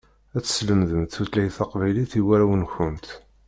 Ad teslemdemt tutlayt taqbaylit i warraw-nkent.